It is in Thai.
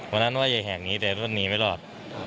วันนั้นว่าจะแหกหนีแต่ว่าหนีไม่รอด